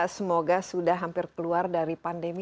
semoga sudah hampir keluar dari pandemi